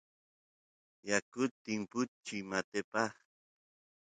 yakut timpuy matepaq